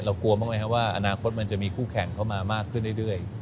กลัวบ้างไหมครับว่าอนาคตมันจะมีคู่แข่งเข้ามามากขึ้นเรื่อย